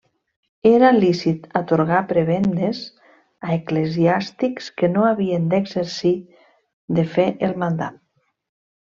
Era lícit atorgar prebendes a eclesiàstics que no havien d'exercir de fet el mandat.